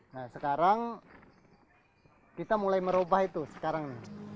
nah sekarang kita mulai merubah itu sekarang